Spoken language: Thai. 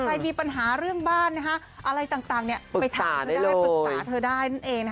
ใครมีปัญหาเรื่องบ้านอะไรต่างไปถามเธอได้ปรึกษาเธอได้นั่นเอง